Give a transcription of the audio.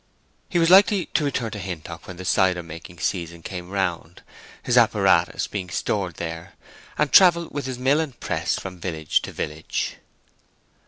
He was likely to return to Hintock when the cider making season came round, his apparatus being stored there, and travel with his mill and press from village to village.